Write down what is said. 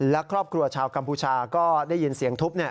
และครอบครัวชาวกัมพูชาก็ได้ยินเสียงทุบ